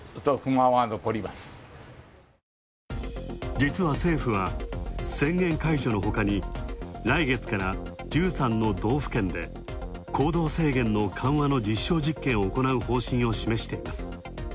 実は政府は、宣言解除のほかに来月から１３の道府県で行動制限の緩和の実証実験を行う方針を示しています。